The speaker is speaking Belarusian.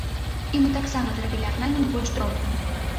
І мы таксама зрабілі арнамент больш дробным.